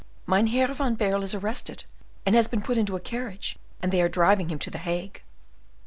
"Mynheer van Baerle is arrested, and has been put into a carriage, and they are driving him to the Hague."